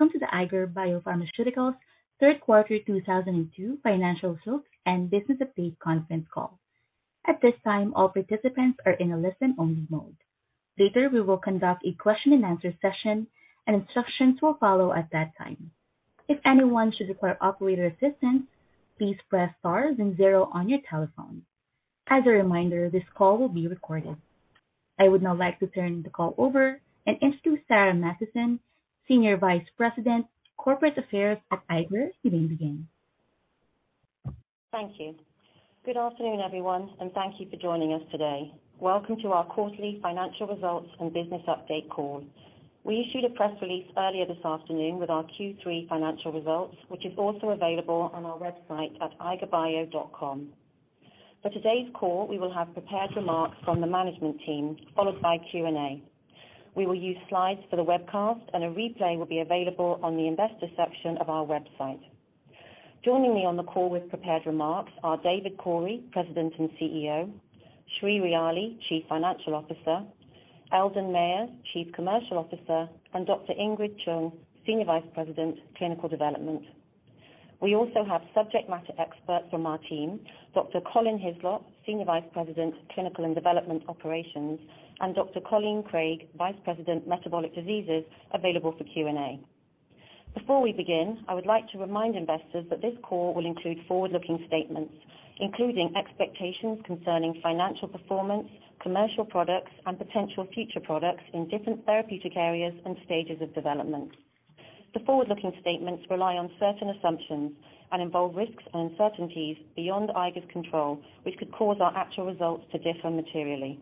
Welcome to the Eiger BioPharmaceuticals third quarter 2022 financial results and business update conference call. At this time, all participants are in a listen-only mode. Later, we will conduct a question-and-answer session and instructions will follow at that time. If anyone should require operator assistance, please press star then zero on your telephone. As a reminder, this call will be recorded. I would now like to turn the call over and introduce Sarah Mathieson, Senior Vice President, Corporate Affairs at Eiger BioPharmaceuticals. You may begin. Thank you. Good afternoon, everyone, and thank you for joining us today. Welcome to our quarterly financial results and business update call. We issued a press release earlier this afternoon with our Q3 financial results, which is also available on our website at eigerbio.com. For today's call, we will have prepared remarks from the management team, followed by Q&A. We will use slides for the webcast, and a replay will be available on the Investors section of our website. Joining me on the call with prepared remarks are David Cory, President and CEO, Sri Ryali, Chief Financial Officer, Eldon Mayer, Chief Commercial Officer, and Dr. Ingrid Choong, Senior Vice President, Clinical Development. We also have subject matter experts from our team, Dr. Colin Hislop, Senior Vice President, Clinical and Development Operations, and Dr. Colleen Craig, Vice President, Metabolic Diseases, available for Q&A. Before we begin, I would like to remind investors that this call will include forward-looking statements, including expectations concerning financial performance, commercial products, and potential future products in different therapeutic areas and stages of development. The forward-looking statements rely on certain assumptions and involve risks and uncertainties beyond Eiger's control, which could cause our actual results to differ materially.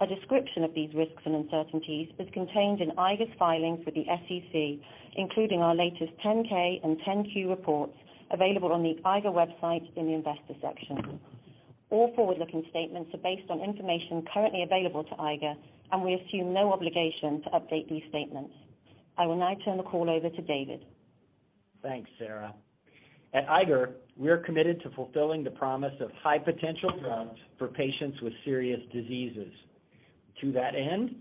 A description of these risks and uncertainties is contained in Eiger's filings with the SEC, including our latest 10-K and 10-Q reports available on the Eiger website in the Investors section. All forward-looking statements are based on information currently available to Eiger, and we assume no obligation to update these statements. I will now turn the call over to David. Thanks, Sarah. At Eiger, we're committed to fulfilling the promise of high-potential drugs for patients with serious diseases. To that end,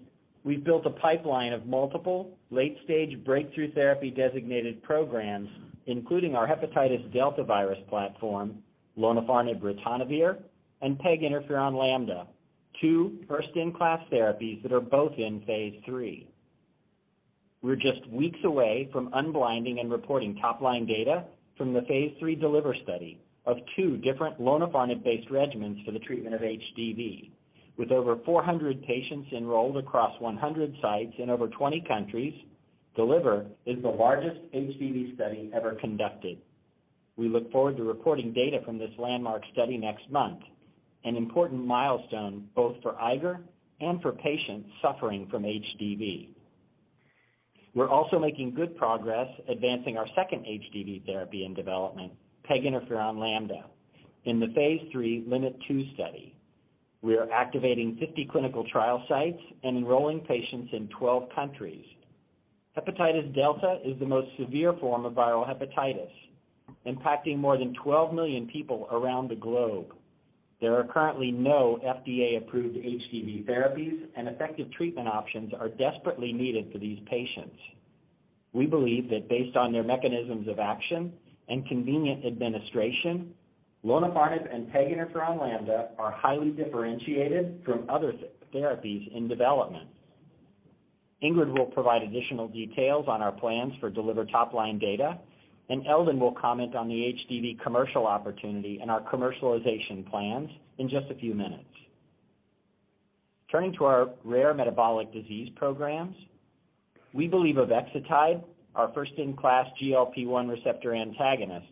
we've built a pipeline of multiple late-stage breakthrough therapy designated programs, including our hepatitis delta virus platform, Lonafarnib/ritonavir, and Peginterferon Lambda, two first-in-class therapies that are both in phase III. We're just weeks away from unblinding and reporting top-line data from the phase III D-LIVR study of two different Lonafarnib-based regimens for the treatment of HDV. With over 400 patients enrolled across 100 sites in over 20 countries, D-LIVR is the largest HDV study ever conducted. We look forward to reporting data from this landmark study next month, an important milestone both for Eiger and for patients suffering from HDV. We're also making good progress advancing our second HDV therapy in development, Peginterferon Lambda, in the phase III LIMT-2 study. We are activating 50 clinical trial sites and enrolling patients in 12 countries. Hepatitis delta is the most severe form of viral hepatitis, impacting more than 12 million people around the globe. There are currently no FDA-approved HDV therapies, and effective treatment options are desperately needed for these patients. We believe that based on their mechanisms of action and convenient administration, Lonafarnib and Peginterferon Lambda are highly differentiated from other therapies in development. Ingrid will provide additional details on our plans for D-LIVR top-line data, and Eldon will comment on the HDV commercial opportunity and our commercialization plans in just a few minutes. Turning to our rare metabolic disease programs, we believe Avexitide, our first-in-class GLP-1 receptor antagonist,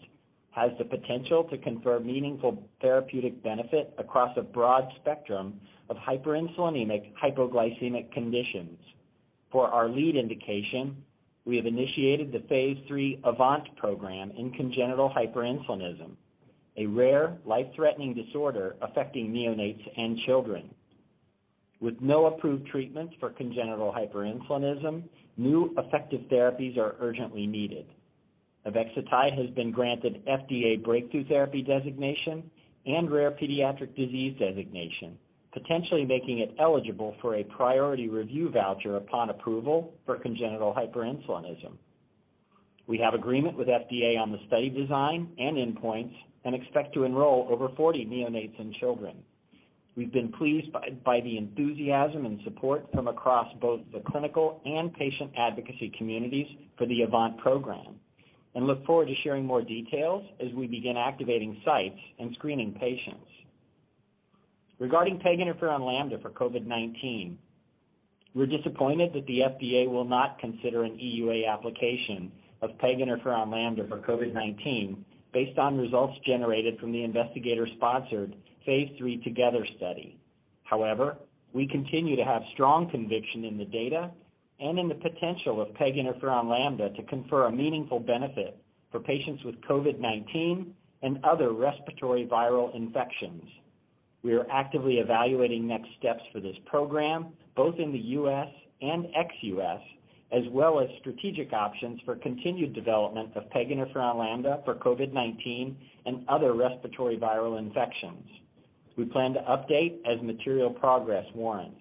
has the potential to confer meaningful therapeutic benefit across a broad spectrum of hyperinsulinemic hypoglycemic conditions. For our lead indication, we have initiated the phase III AVANT program in congenital hyperinsulinism, a rare life-threatening disorder affecting neonates and children. With no approved treatments for congenital hyperinsulinism, new effective therapies are urgently needed. Avexitide has been granted FDA breakthrough therapy designation and rare pediatric disease designation, potentially making it eligible for a priority review voucher upon approval for congenital hyperinsulinism. We have agreement with FDA on the study design and endpoints and expect to enroll over 40 neonates and children. We've been pleased by the enthusiasm and support from across both the clinical and patient advocacy communities for the AVANT program and look forward to sharing more details as we begin activating sites and screening patients. Regarding Peginterferon Lambda for COVID-19, we're disappointed that the FDA will not consider an EUA application of Peginterferon Lambda for COVID-19 based on results generated from the investigator-sponsored phase III TOGETHER study. However, we continue to have strong conviction in the data and in the potential of Peginterferon Lambda to confer a meaningful benefit for patients with COVID-19 and other respiratory viral infections. We are actively evaluating next steps for this program, both in the U.S. and ex-U.S., as well as strategic options for continued development of Peginterferon Lambda for COVID-19 and other respiratory viral infections. We plan to update as material progress warrants.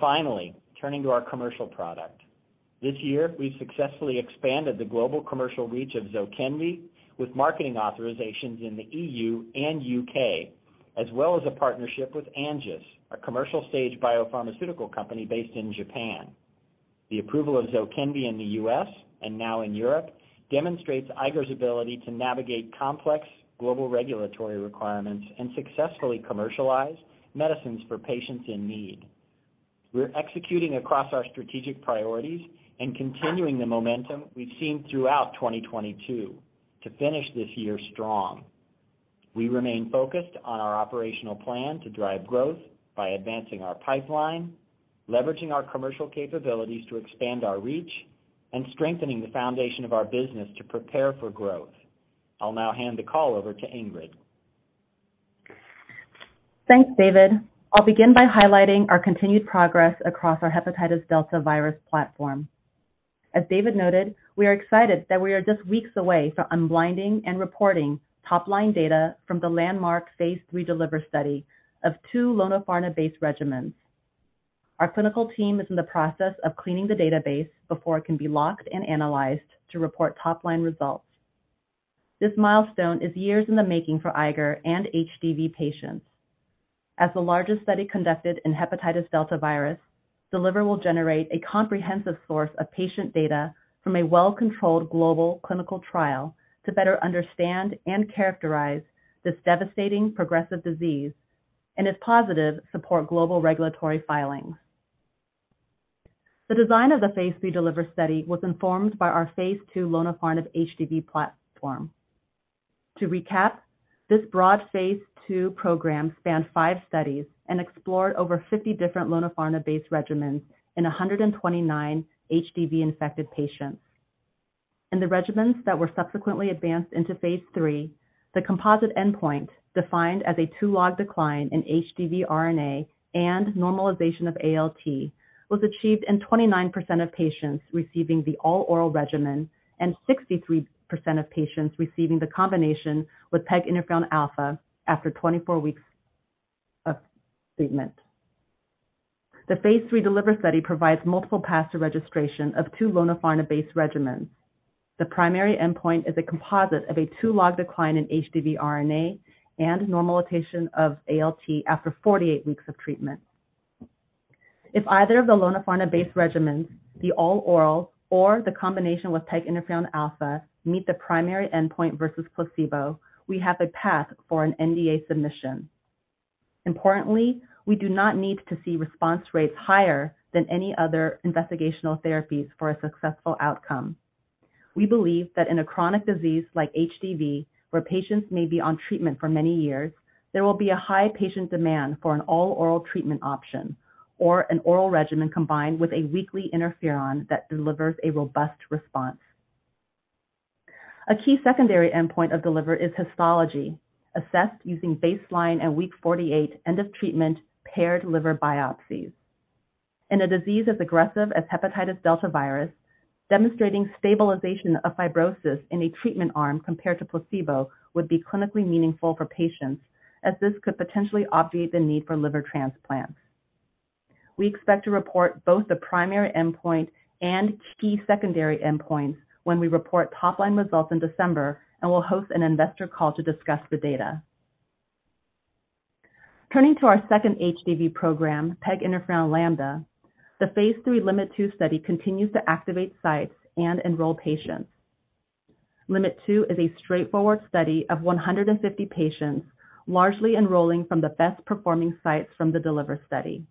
Finally, turning to our commercial product. This year, we successfully expanded the global commercial reach of Zokinvy with marketing authorizations in the EU and U.K., as well as a partnership with AnGes, a commercial-stage biopharmaceutical company based in Japan. The approval of Zokinvy in the U.S. and now in Europe demonstrates Eiger's ability to navigate complex global regulatory requirements and successfully commercialize medicines for patients in need. We're executing across our strategic priorities and continuing the momentum we've seen throughout 2022 to finish this year strong. We remain focused on our operational plan to drive growth by advancing our pipeline, leveraging our commercial capabilities to expand our reach, and strengthening the foundation of our business to prepare for growth. I'll now hand the call over to Ingrid. Thanks, David. I'll begin by highlighting our continued progress across our Hepatitis Delta Virus platform. As David noted, we are excited that we are just weeks away from unblinding and reporting top-line data from the landmark phase III D-LIVR study of two Lonafarnib-based regimens. Our clinical team is in the process of cleaning the database before it can be locked and analyzed to report top-line results. This milestone is years in the making for Eiger and HDV patients. As the largest study conducted in Hepatitis Delta Virus, D-LIVR will generate a comprehensive source of patient data from a well-controlled global clinical trial to better understand and characterize this devastating progressive disease and, if positive, support global regulatory filings. The design of the phase III D-LIVR study was informed by our phase II lonafarnib HDV platform. To recap, this broad phase II program spanned five studies and explored over 50 different Lonafarnib-based regimens in 129 HDV-infected patients. In the regimens that were subsequently advanced into phase III, the composite endpoint, defined as a two-log decline in HDV RNA and normalization of ALT, was achieved in 29% of patients receiving the all-oral regimen and 63% of patients receiving the combination with Peginterferon alfa after 24 weeks of treatment. The phase III D-LIVR study provides multiple paths to registration of two Lonafarnib-based regimens. The primary endpoint is a composite of a two-log decline in HDV RNA and normalization of ALT after 48 weeks of treatment. If either of the Lonafarnib-based regimens, the all-oral or the combination with Peginterferon alfa, meet the primary endpoint versus placebo, we have a path for an NDA submission. Importantly, we do not need to see response rates higher than any other investigational therapies for a successful outcome. We believe that in a chronic disease like HDV, where patients may be on treatment for many years, there will be a high patient demand for an all-oral treatment option or an oral regimen combined with a weekly interferon that delivers a robust response. A key secondary endpoint of D-LIVR is histology, assessed using baseline and week 48 end of treatment paired liver biopsies. In a disease as aggressive as hepatitis delta virus, demonstrating stabilization of fibrosis in a treatment arm compared to placebo would be clinically meaningful for patients as this could potentially obviate the need for liver transplants. We expect to report both the primary endpoint and key secondary endpoints when we report top-line results in December, and we'll host an investor call to discuss the data. Turning to our second HDV program, Peginterferon Lambda, the phase III LIMT-2 study continues to activate sites and enroll patients. LIMT-2 is a straightforward study of 150 patients, largely enrolling from the best-performing sites from the D-LIVR study.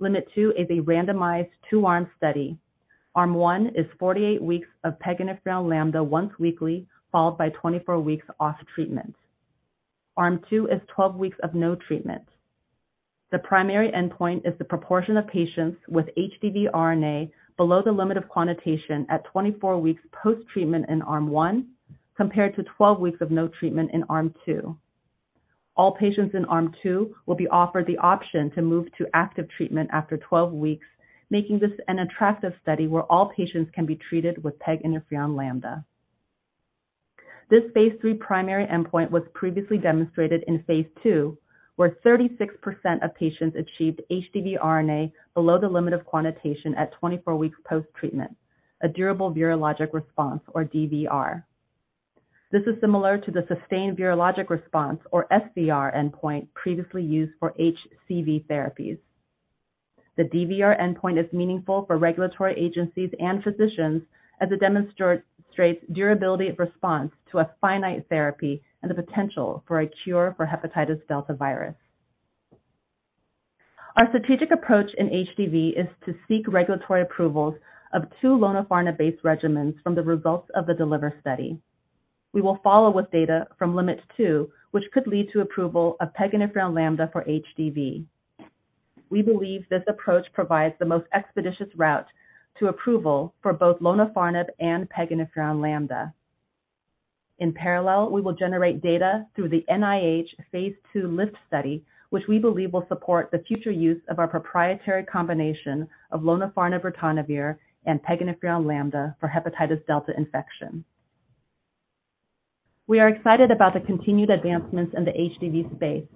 LIMT-2 is a randomized two-arm study. Arm one is 48 weeks of Peginterferon Lambda once weekly, followed by 24 weeks off treatment. Arm two is 12 weeks of no treatment. The primary endpoint is the proportion of patients with HDV RNA below the limit of quantitation at 24 weeks post-treatment in arm one compared to 12 weeks of no treatment in arm two. All patients in arm two will be offered the option to move to active treatment after 12 weeks, making this an attractive study where all patients can be treated with Peginterferon Lambda. This phase III primary endpoint was previously demonstrated in phase II, where 36% of patients achieved HDV RNA below the limit of quantitation at 24 weeks post-treatment, a durable virologic response or DVR. This is similar to the sustained virologic response or SVR endpoint previously used for HCV therapies. The DVR endpoint is meaningful for regulatory agencies and physicians as it demonstrates durability of response to a finite therapy and the potential for a cure for hepatitis delta virus. Our strategic approach in HDV is to seek regulatory approvals of two Lonafarnib-based regimens from the results of the D-LIVR study. We will follow with data from LIMT-2, which could lead to approval of Peginterferon Lambda for HDV. We believe this approach provides the most expeditious route to approval for both Lonafarnib and Peginterferon Lambda. In parallel, we will generate data through the NIH phase II LIFT study, which we believe will support the future use of our proprietary combination of lonafarnib, ritonavir, and peginterferon lambda for hepatitis delta infection. We are excited about the continued advancements in the HDV space.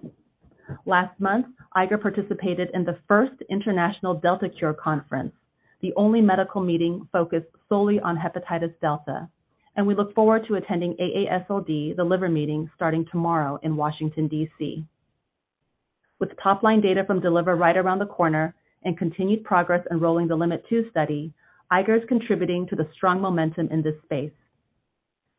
Last month, Eiger participated in the first International Delta Cure Meeting, the only medical meeting focused solely on hepatitis delta, and we look forward to attending AASLD, The Liver Meeting, starting tomorrow in Washington, D.C. With top line data from D-LIVR right around the corner and continued progress enrolling the LIMT-2 study, Eiger is contributing to the strong momentum in this space.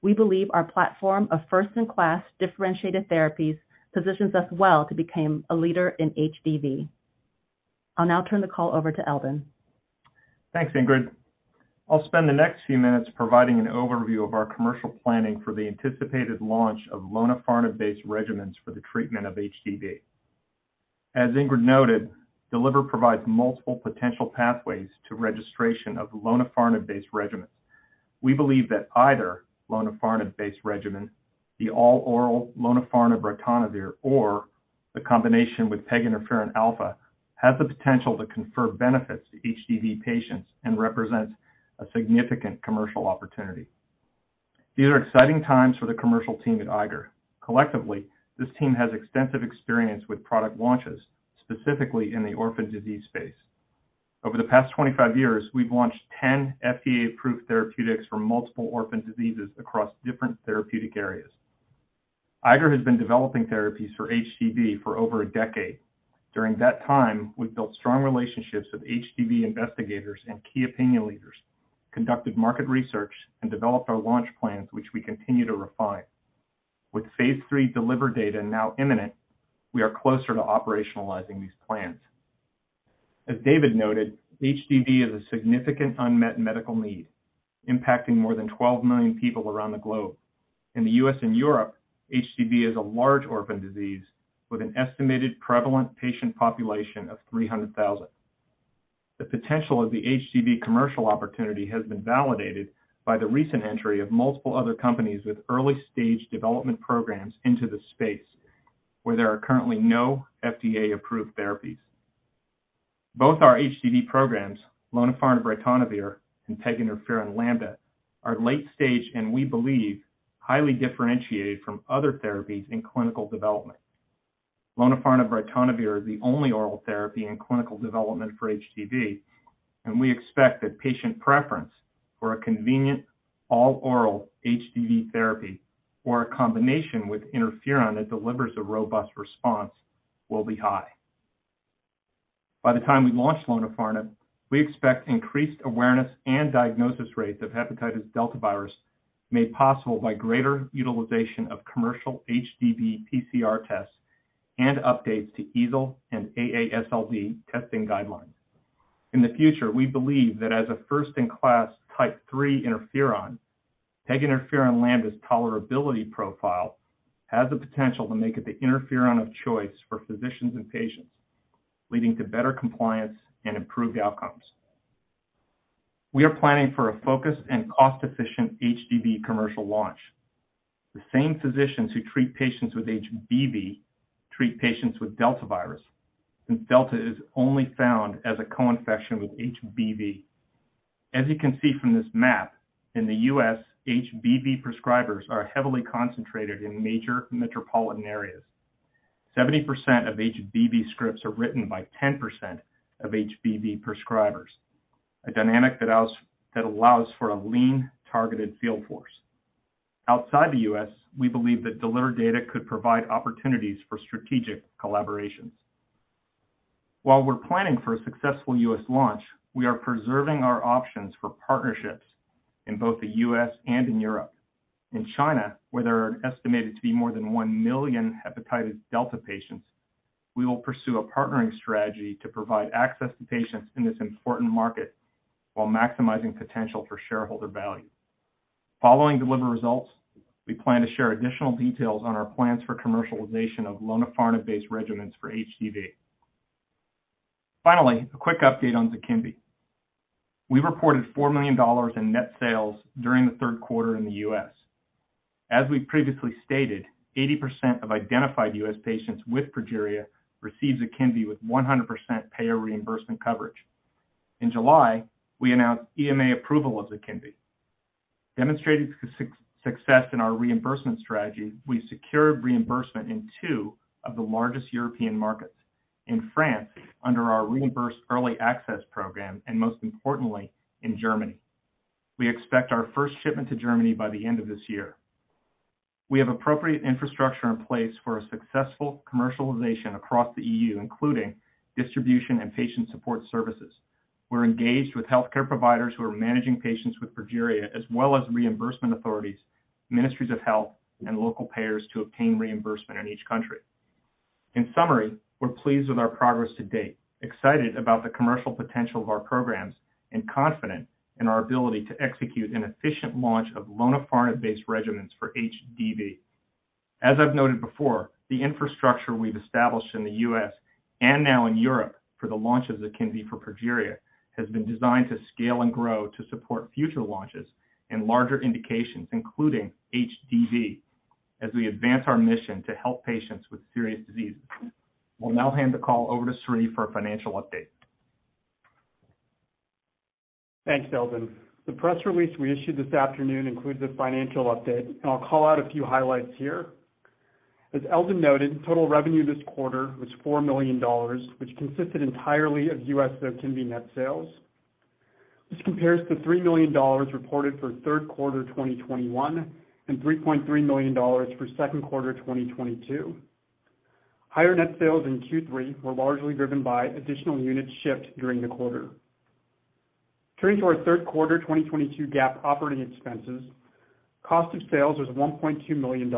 We believe our platform of first-in-class differentiated therapies positions us well to become a leader in HDV. I'll now turn the call over to Eldon. Thanks, Ingrid. I'll spend the next few minutes providing an overview of our commercial planning for the anticipated launch of Lonafarnib-based regimens for the treatment of HDV. As Ingrid noted, D-LIVR provides multiple potential pathways to registration of Lonafarnib-based regimens. We believe that either Lonafarnib-based regimen, the all-oral lonafarnib, ritonavir, or the combination with peginterferon alfa, has the potential to confer benefits to HDV patients and represents a significant commercial opportunity. These are exciting times for the commercial team at Eiger. Collectively, this team has extensive experience with product launches, specifically in the orphan disease space. Over the past 25 years, we've launched 10 FDA-approved therapeutics for multiple orphan diseases across different therapeutic areas. Eiger has been developing therapies for HDV for over a decade. During that time, we've built strong relationships with HDV investigators and key opinion leaders, conducted market research, and developed our launch plans, which we continue to refine. With phase III D-LIVR data now imminent, we are closer to operationalizing these plans. As David noted, HDV is a significant unmet medical need, impacting more than 12 million people around the globe. In the U.S. and Europe, HDV is a large orphan disease with an estimated prevalent patient population of 300,000. The potential of the HDV commercial opportunity has been validated by the recent entry of multiple other companies with early-stage development programs into the space where there are currently no FDA-approved therapies. Both our HDV programs, Lonafarnib, ritonavir and Peginterferon Lambda, are late-stage and we believe highly differentiated from other therapies in clinical development. Lonafarnib with ritonavir is the only oral therapy in clinical development for HDV, and we expect that patient preference for a convenient all-oral HDV therapy or a combination with interferon that delivers a robust response will be high. By the time we launch Lonafarnib, we expect increased awareness and diagnosis rates of hepatitis delta virus made possible by greater utilization of commercial HDV PCR tests and updates to EASL and AASLD testing guidelines. In the future, we believe that as a first-in-class type III interferon, Peginterferon Lambda's tolerability profile has the potential to make it the interferon of choice for physicians and patients, leading to better compliance and improved outcomes. We are planning for a focused and cost-efficient HDV commercial launch. The same physicians who treat patients with HBV treat patients with delta virus, and delta is only found as a co-infection with HBV. As you can see from this map, in the U.S., HBV prescribers are heavily concentrated in major metropolitan areas. 70% of HBV scripts are written by 10% of HBV prescribers, a dynamic that allows for a lean, targeted field force. Outside the U.S., we believe that D-LIVR data could provide opportunities for strategic collaborations. While we're planning for a successful U.S. launch, we are preserving our options for partnerships in both the U.S. and in Europe. In China, where there are estimated to be more than 1 million hepatitis delta patients, we will pursue a partnering strategy to provide access to patients in this important market while maximizing potential for shareholder value. Following D-LIVR results, we plan to share additional details on our plans for commercialization of Lonafarnib-based regimens for HDV. Finally, a quick update on Zokinvy. We reported $4 million in net sales during the third quarter in the U.S. As we've previously stated, 80% of identified U.S. patients with progeria receive Zokinvy with 100% payer reimbursement coverage. In July, we announced EMA approval of Zokinvy. Demonstrating success in our reimbursement strategy, we secured reimbursement in two of the largest European markets, in France under our Reimbursement Early Access Program, and most importantly, in Germany. We expect our first shipment to Germany by the end of this year. We have appropriate infrastructure in place for a successful commercialization across the EU, including distribution and patient support services. We're engaged with healthcare providers who are managing patients with progeria, as well as reimbursement authorities, ministries of health, and local payers to obtain reimbursement in each country. In summary, we're pleased with our progress to date, excited about the commercial potential of our programs, and confident in our ability to execute an efficient launch of Lonafarnib-based regimens for HDV. As I've noted before, the infrastructure we've established in the U.S. And now in Europe for the launch of Zokinvy for progeria, has been designed to scale and grow to support future launches and larger indications, including HDV, as we advance our mission to help patients with serious diseases. We'll now hand the call over to Sri for a financial update. Thanks, Eldon. The press release we issued this afternoon includes a financial update, and I'll call out a few highlights here. As Eldon noted, total revenue this quarter was $4 million, which consisted entirely of U.S. Zokinvy net sales. This compares to $3 million reported for third quarter 2021 and $3.3 million for second quarter 2022. Higher net sales in Q3 were largely driven by additional units shipped during the quarter. Turning to our third quarter 2022 GAAP operating expenses, cost of sales was $1.2 million,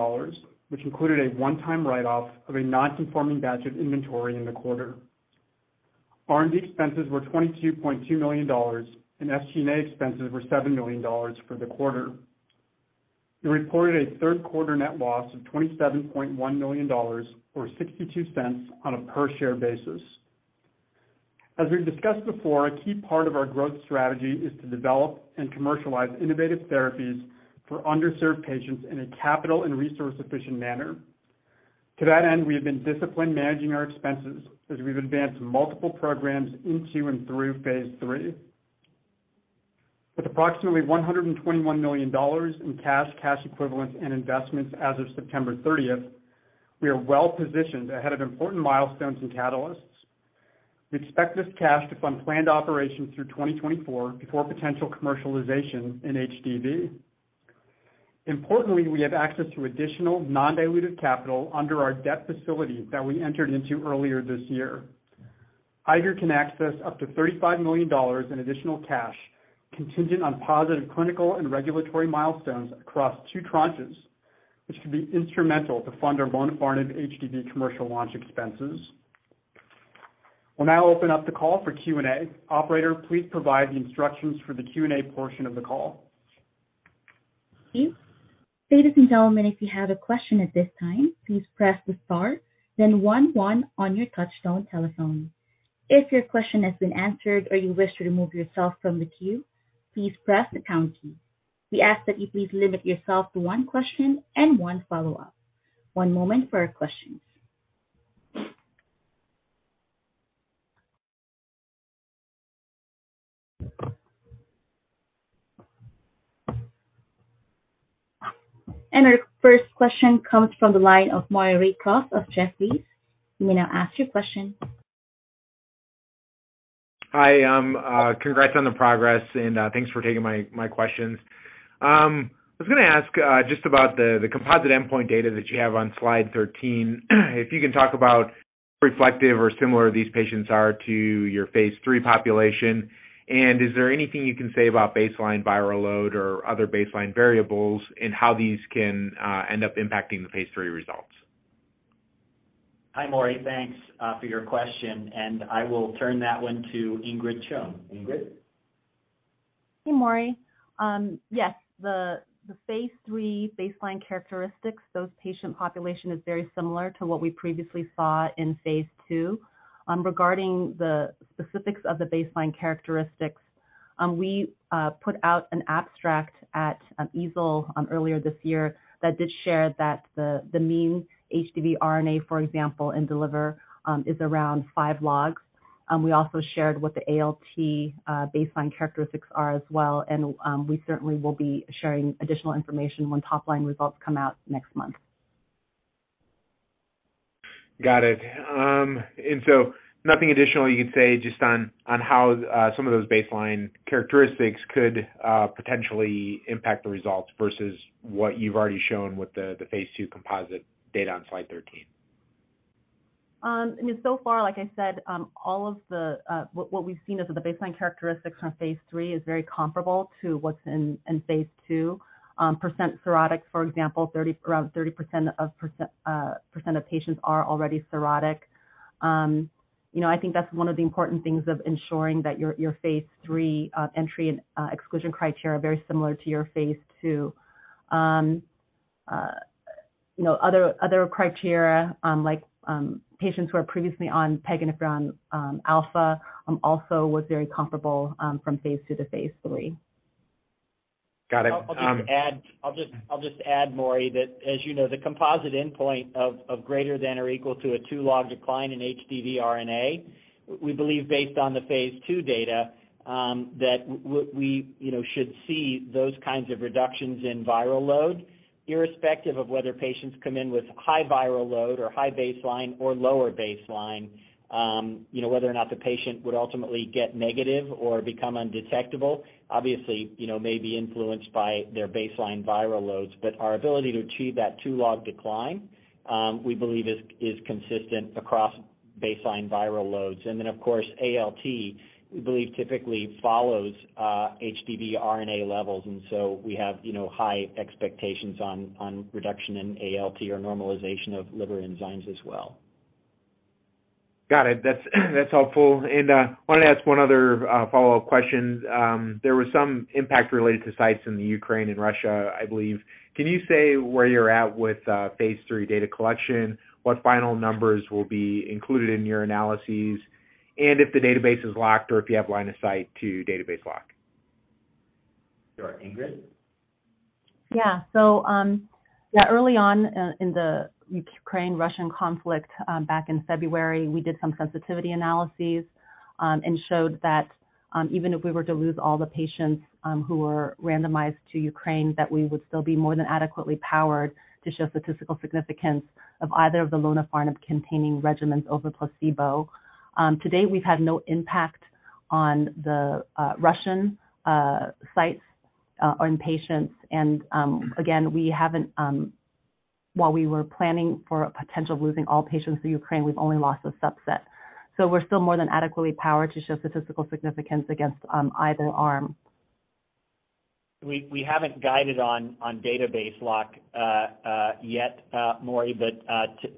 which included a one-time write-off of a non-conforming batch of inventory in the quarter. R&D expenses were $22.2 million, and SG&A expenses were $7 million for the quarter. We reported a third quarter net loss of $27.1 million, or $0.62 per share. As we've discussed before, a key part of our growth strategy is to develop and commercialize innovative therapies for underserved patients in a capital and resource-efficient manner. To that end, we have been disciplined managing our expenses as we've advanced multiple programs into and through phase III. With approximately $121 million in cash equivalents and investments as of September 30, we are well positioned ahead of important milestones and catalysts. We expect this cash to fund planned operations through 2024 before potential commercialization in HDV. Importantly, we have access to additional non-dilutive capital under our debt facility that we entered into earlier this year. Eiger can access up to $35 million in additional cash contingent on positive clinical and regulatory milestones across two tranches, which could be instrumental to fund our Lonafarnib HDV commercial launch expenses. We'll now open up the call for Q&A. Operator, please provide the instructions for the Q&A portion of the call. Ladies and gentlemen, if you have a question at this time, please press the star, then one one on your touchtone telephone. If your question has been answered or you wish to remove yourself from the queue, please press the pound key. We ask that you please limit yourself to one question and one follow-up. One moment for questions. Our first question comes from the line of Maury Raycroft of Jefferies. You may now ask your question. Hi, congrats on the progress, and thanks for taking my questions. I was going to ask just about the composite endpoint data that you have on slide 13. If you can talk about reflective or similar these patients are to your phase III population. Is there anything you can say about baseline viral load or other baseline variables and how these can end up impacting the phase III results? Hi, Maury. Thanks, for your question, and I will turn that one to Ingrid Choong. Ingrid? Hey, Maury. Yes, the phase III baseline characteristics, those patient population is very similar to what we previously saw in phase II. Regarding the specifics of the baseline characteristics, we put out an abstract at EASL earlier this year that did share that the mean HDV RNA, for example, in D-LIVR, is around five logs. We also shared what the ALT baseline characteristics are as well. We certainly will be sharing additional information when top-line results come out next month. Got it. Nothing additional you'd say just on how some of those baseline characteristics could potentially impact the results versus what you've already shown with the phase II composite data on slide 13? I mean, so far, like I said, all of what we've seen is that the baseline characteristics on phase III is very comparable to what's in phase II. Percent cirrhotic, for example, around 30% of patients are already cirrhotic. You know, I think that's one of the important things of ensuring that your phase III entry and exclusion criteria are very similar to your phase II. You know, other criteria, like, patients who are previously on Peginterferon alfa also was very comparable from phase II to phase III. Got it. I'll just add Maury that as you know, the composite endpoint of greater than or equal to a two-log decline in HDV RNA, we believe based on the phase II data, that we, you know, should see those kinds of reductions in viral load, irrespective of whether patients come in with high viral load or high baseline or lower baseline. You know, whether or not the patient would ultimately get negative or become undetectable, obviously, you know, may be influenced by their baseline viral loads. But our ability to achieve that two-log decline, we believe is consistent across baseline viral loads. Then of course, ALT, we believe typically follows HDV RNA levels. So we have, you know, high expectations on reduction in ALT or normalization of liver enzymes as well. Got it. That's helpful. Wanted to ask one other follow-up question. There was some impact related to sites in the Ukraine and Russia, I believe. Can you say where you're at with phase III data collection? What final numbers will be included in your analyses? And if the database is locked or if you have line of sight to database lock? Sure. Ingrid? Early on in the Ukraine Russian conflict, back in February, we did some sensitivity analyses and showed that even if we were to lose all the patients who were randomized to Ukraine, that we would still be more than adequately powered to show statistical significance of either of the Lonafarnib containing regimens over placebo. Today, we've had no impact on the Russian sites or in patients. Again, we haven't, while we were planning for potential losing all patients to Ukraine, we've only lost a subset. We're still more than adequately powered to show statistical significance against either arm. We haven't guided on database lock yet, Maury, but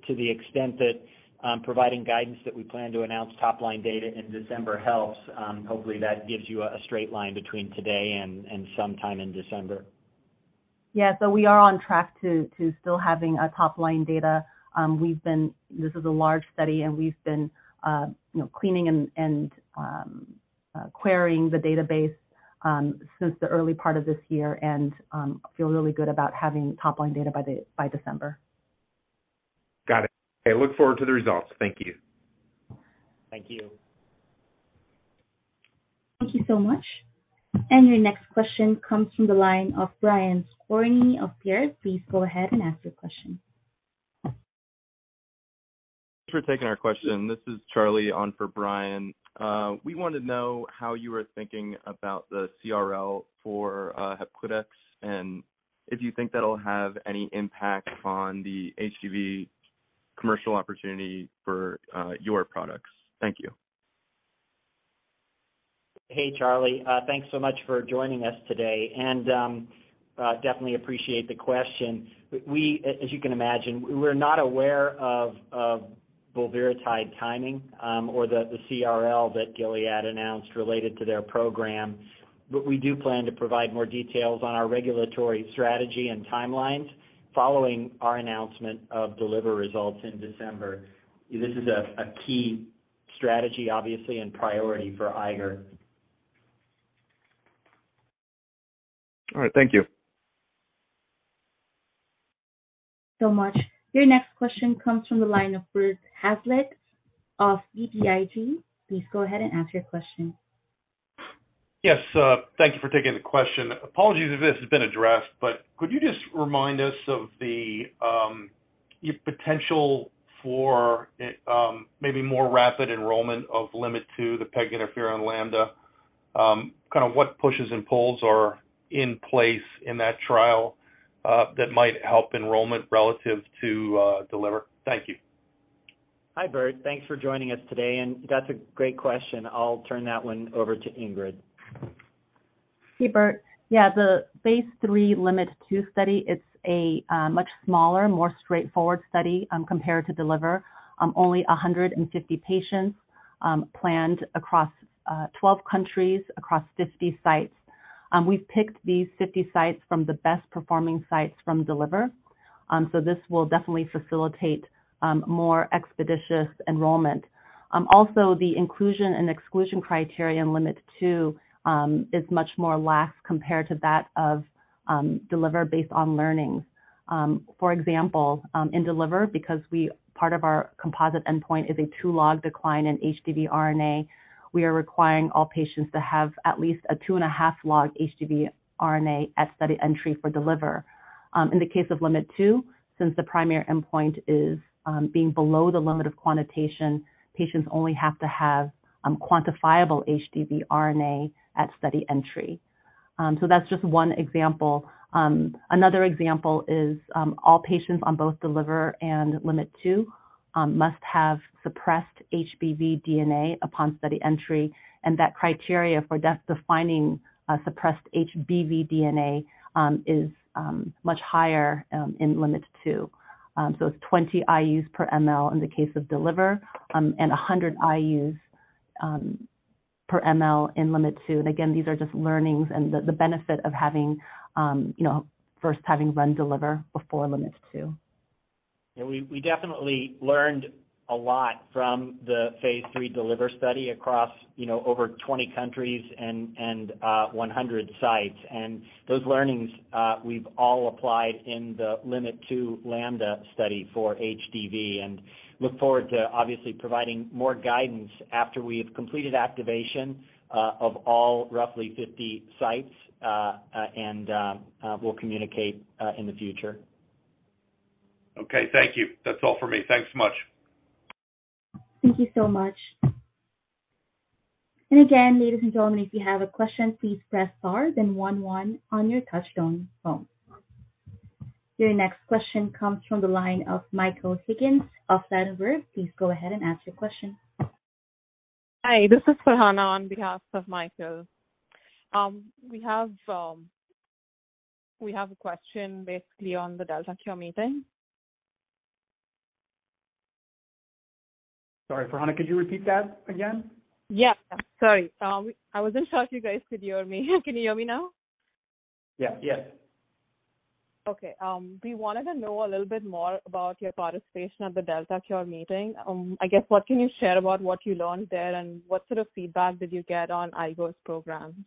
to the extent that providing guidance that we plan to announce top line data in December helps, hopefully that gives you a straight line between today and sometime in December. We are on track to still having top-line data. This is a large study, and we've been you know, cleaning and querying the database since the early part of this year, and feel really good about having top-line data by December. Got it. I look forward to the results. Thank you. Thank you. Thank you so much. Your next question comes from the line of Brian Skorney of Baird. Please go ahead and ask your question. Thanks for taking our question. This is Charlie on for Brian. We want to know how you were thinking about the CRL for Hepcludex, and if you think that'll have any impact on the HCV commercial opportunity for your products. Thank you. Hey, Charlie. Thanks so much for joining us today, and definitely appreciate the question. As you can imagine, we're not aware of bulevirtide timing, or the CRL that Gilead announced related to their program. We do plan to provide more details on our regulatory strategy and timelines following our announcement of D-LIVR results in December. This is a key strategy, obviously, and priority for Eiger. All right. Thank you. So much. Your next question comes from the line of Bert Hazlett of BTIG. Please go ahead and ask your question. Yes. Thank you for taking the question. Apologies if this has been addressed, but could you just remind us of your potential for maybe more rapid enrollment of LIMT-2, the Peginterferon Lambda, kind of what pushes and pulls are in place in that trial, that might help enrollment relative to D-LIVR? Thank you. Hi, Bert. Thanks for joining us today, and that's a great question. I'll turn that one over to Ingrid. Hey, Bert. Yeah, the phase III LIMT-2 study, it's a much smaller, more straightforward study compared to D-LIVR. Only 150 patients planned across 12 countries across 50 sites. We've picked these 50 sites from the best performing sites from D-LIVR. This will definitely facilitate more expeditious enrollment. Also the inclusion and exclusion criterion LIMT-2 is much more lax compared to that of D-LIVR based on learnings. For example, in D-LIVR, because part of our composite endpoint is a 2-log decline in HDV RNA, we are requiring all patients to have at least a 2.5-log HDV RNA at study entry for D-LIVR. In the case of LIMT-2, since the primary endpoint is being below the limit of quantitation, patients only have to have quantifiable HDV RNA at study entry. That's just one example. Another example is, all patients on both D-LIVR and LIMT-2 must have suppressed HBV DNA upon study entry, and that criteria for defining a suppressed HBV DNA is much higher in LIMT-2. It's 20 IUs per ML in the case of D-LIVR, and 100 IUs per ML in LIMT-2. Again, these are just learnings and the benefit of having, you know, first having run D-LIVR before LIMT-2. Yeah. We definitely learned a lot from the phase III D-LIVR study across, you know, over 20 countries and 100 sites. Those learnings we've all applied in the LIMT-2 Lambda study for HDV and look forward to obviously providing more guidance after we've completed activation of all roughly 50 sites, and we'll communicate in the future. Okay. Thank you. That's all for me. Thanks so much. Thank you so much. Again, ladies and gentlemen, if you have a question, please press star then one one on your touchtone phone. Your next question comes from the line of Michael Higgins of Ladenburg Thalmann. Please go ahead and ask your question. Hi. This is Farhana on behalf of Michael. We have a question basically on the Delta Cure meeting. Sorry, Farhana. Could you repeat that again? Yeah. Sorry. I wasn't sure if you guys could hear me. Can you hear me now? Yeah. Yes. Okay. We wanted to know a little bit more about your participation at the Delta Cure Meeting. I guess, what can you share about what you learned there, and what sort of feedback did you get on Eiger's program?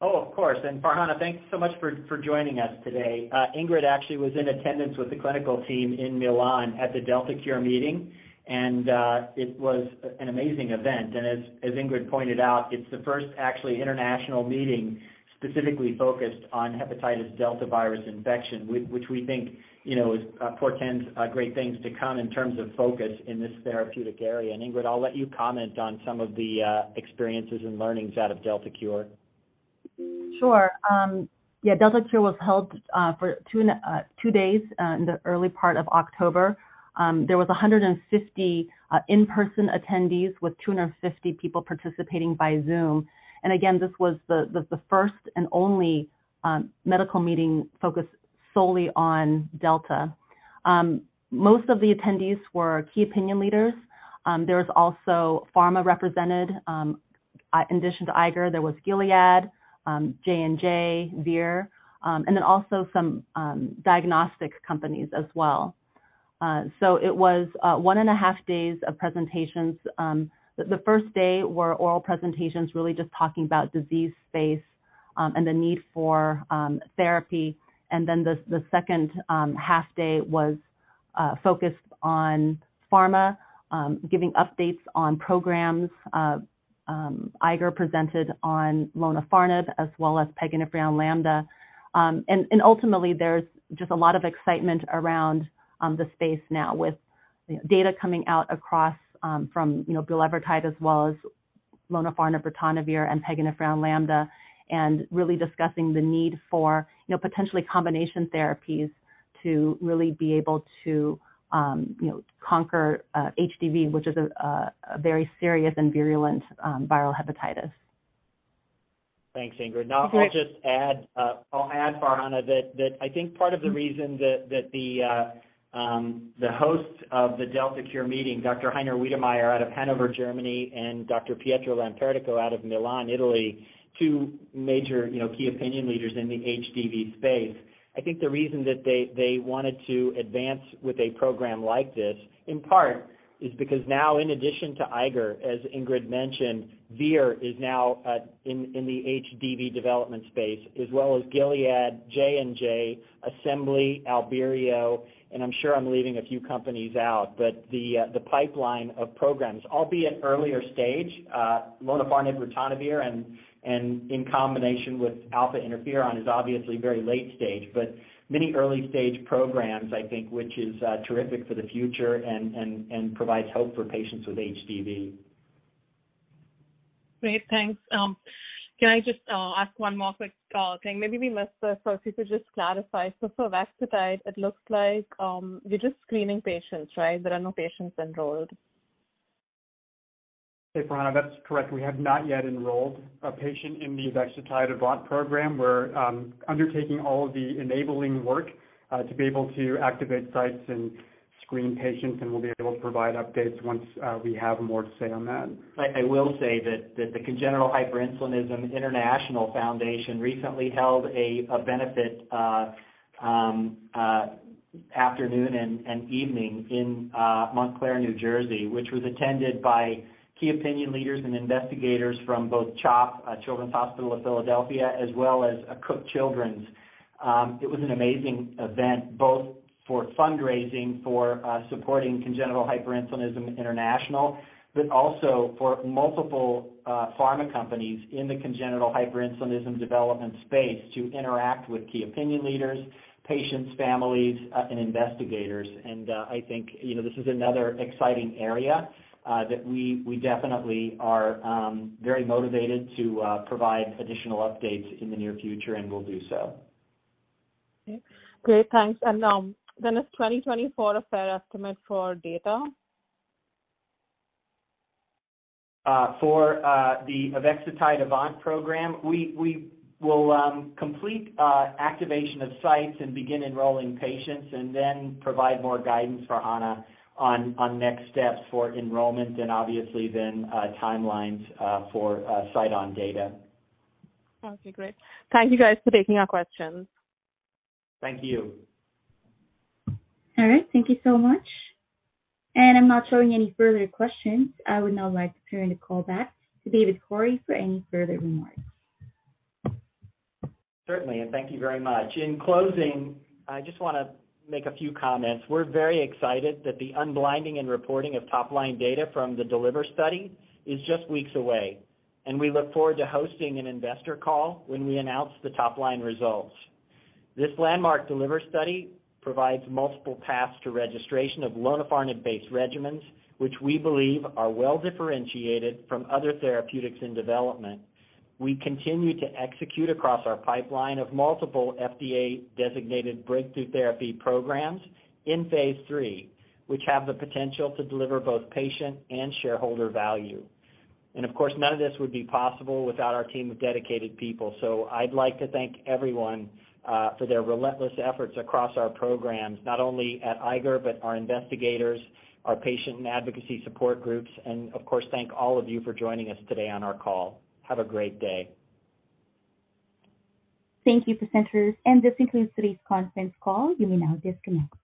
Oh, of course. Farhana, thanks so much for joining us today. Ingrid actually was in attendance with the clinical team in Milan at the Delta Cure Meeting, and it was an amazing event. As Ingrid pointed out, it's the first actually international meeting specifically focused on hepatitis delta virus infection, which we think, you know, portends great things to come in terms of focus in this therapeutic area. Ingrid, I'll let you comment on some of the experiences and learnings out of Delta Cure. Sure. Yeah, Delta Cure was held for two days in the early part of October. There was 150 in-person attendees with 250 people participating by Zoom. This was the first and only medical meeting focused solely on Delta. Most of the attendees were key opinion leaders. There was also pharma represented. In addition to Eiger, there was Gilead, J&J, Vir, and then also some diagnostic companies as well. It was one and a half days of presentations. The first day were oral presentations, really just talking about disease phase and the need for therapy. The second half day was focused on pharma giving updates on programs. Eiger presented on Lonafarnib as well as Peginterferon Lambda. Ultimately, there's just a lot of excitement around the space now with, you know, data coming out across from, you know, bulevirtide as well as Lonafarnib ritonavir and Peginterferon Lambda, and really discussing the need for, you know, potentially combination therapies to really be able to, you know, conquer HDV, which is a very serious and virulent viral hepatitis. Thanks, Ingrid. Okay. Now, I'll just add, I'll add Farhana that I think part of the reason that the host of the Delta Cure meeting, Dr. Heiner Wedemeyer out of Hannover, Germany, and Dr. Pietro Lampertico out of Milan, Italy, two major, you know, key opinion leaders in the HDV space. I think the reason that they wanted to advance with a program like this, in part, is because now in addition to Eiger, as Ingrid mentioned, Vir is now in the HDV development space as well as Gilead, J&J, Assembly, Albireo, and I'm sure I'm leaving a few companies out. The pipeline of programs, albeit earlier stage, Lonafarnib ritonavir and in combination with Peginterferon alfa is obviously very late stage. Many early-stage programs, I think, which is terrific for the future and provides hope for patients with HDV. Great. Thanks. Can I just ask one more quick thing? Maybe we missed this, so if you could just clarify. For Avexitide, it looks like you're just screening patients, right? There are no patients enrolled. Hey, Farhana. That's correct. We have not yet enrolled a patient in the Avexitide AVANT program. We're undertaking all of the enabling work to be able to activate sites and screen patients, and we'll be able to provide updates once we have more to say on that. I will say that the Congenital Hyperinsulinism International recently held a benefit afternoon and evening in Montclair, New Jersey, which was attended by key opinion leaders and investigators from both CHOP, Children's Hospital of Philadelphia, as well as Cook Children's. It was an amazing event, both for fundraising, for supporting Congenital Hyperinsulinism International, but also for multiple pharma companies in the congenital hyperinsulinism development space to interact with key opinion leaders, patients, families, and investigators. I think, you know, this is another exciting area that we definitely are very motivated to provide additional updates in the near future, and we'll do so. Okay. Great. Thanks. Is 2024 a fair estimate for data? For the Avexitide AVANT program, we will complete activation of sites and begin enrolling patients and then provide more guidance, Farhana, on next steps for enrollment and obviously then timelines for site-on data. Okay, great. Thank you guys for taking our questions. Thank you. All right. Thank you so much. I'm not showing any further questions. I would now like to turn the call back to David Cory for any further remarks. Certainly. Thank you very much. In closing, I just wanna make a few comments. We're very excited that the unblinding and reporting of top-line data from the D-LIVR study is just weeks away, and we look forward to hosting an investor call when we announce the top-line results. This landmark D-LIVR study provides multiple paths to registration of Lonafarnib-based regimens, which we believe are well-differentiated from other therapeutics in development. We continue to execute across our pipeline of multiple FDA-designated breakthrough therapy programs in phase III, which have the potential to deliver both patient and shareholder value. Of course, none of this would be possible without our team of dedicated people. I'd like to thank everyone for their relentless efforts across our programs, not only at Eiger, but our investigators, our patient and advocacy support groups, and of course, thank all of you for joining us today on our call. Have a great day. Thank you, presenters. This concludes today's conference call. You may now disconnect.